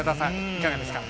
いかがですか？